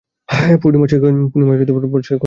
পূর্ণিমার পর সে ক্ষয় হতে শুরু করবে।